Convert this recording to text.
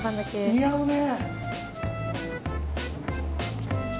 似合うね！